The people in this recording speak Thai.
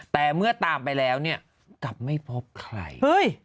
แต่เมื่อตามไปแล้วเนี่ยกลับไม่พบใคร